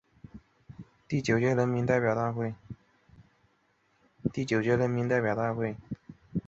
地方法院绝大多数的案件都由一位法官独任审理。